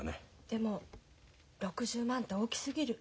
でも６０万って大きすぎる。